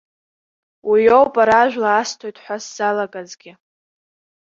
Уиоуп ара ажәла асҭоит ҳәа сзалагазгьы.